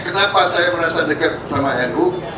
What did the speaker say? kenapa saya merasa dekat sama nu